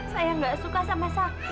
saya gak suka sama sakti